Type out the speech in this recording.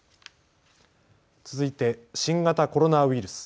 続いて新型コロナウイルス。